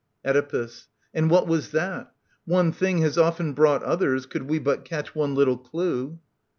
Oedipus. And what was that ? One thing has often brought Others, could we but catch one little clue.